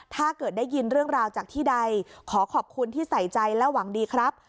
ถ้าเกิดได้ยินเรื่องราวจากที่ใดขอขอบคุณที่ใส่ใจและหวังดีครับ